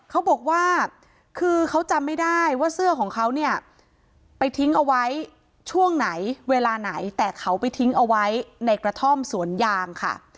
เขาบอกว่าคือเขาจำไม่ได้ว่าเสื้อของเขาเนี่ยไปทิ้งเอาไว้ช่วงไหนเวลาไหนแต่เขาไปทิ้งเอาไว้ในกระท่อมสวนยางค่ะ